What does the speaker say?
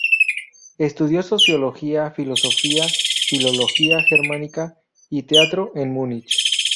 Estudió sociología, filosofía, filología germánica y teatro en Múnich.